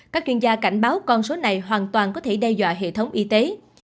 các chuyên gia cảnh báo con số này hoàn toàn có thể đe dọa hệ thống y tế